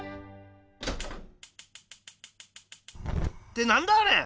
ってなんだあれ！